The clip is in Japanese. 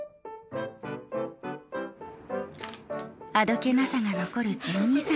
あどけなさが残る１２歳。